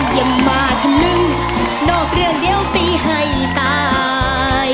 อย่ามาทะลึงนอกเรื่องเดี๋ยวตีให้ตาย